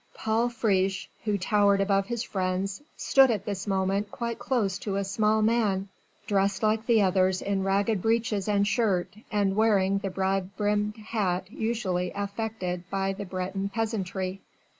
Paul Friche, who towered above his friends, stood at this moment quite close to a small man, dressed like the others in ragged breeches and shirt, and wearing the broad brimmed hat usually affected by the Breton peasantry.